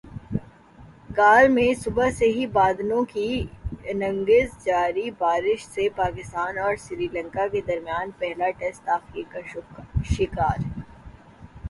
گال میں صبح سے ہی بادلوں کی اننگز جاری بارش سے پاکستان اور سری لنکا کے درمیان پہلا ٹیسٹ تاخیر کا شکار